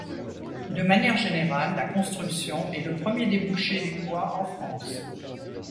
De manière générale, la construction est le premier débouché du bois en France.